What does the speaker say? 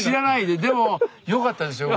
でもよかったですよ